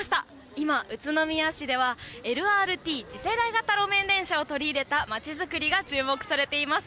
今、宇都宮市ではＬＲＴ・次世代型路面電車を取り入れた街づくりが注目されています。